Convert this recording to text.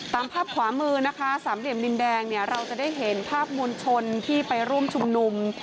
ตามภาพขวามือนะคะสามเหลี่ยมดินแดงเนี่ยเราจะได้เห็นภาพมวลชนที่ไปร่วมชุมนุม